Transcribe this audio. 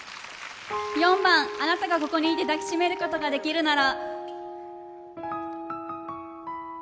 ４番「あなたがここにいて抱きしめることができるなら」。